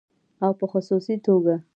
او په خصوصي توګه